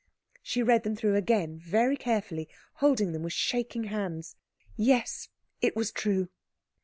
She read them through again, very carefully, holding them with shaking hands. Yes, it was true.